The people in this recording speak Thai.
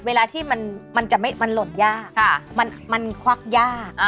เวลาที่มันจะหล่นยากมันควักยาก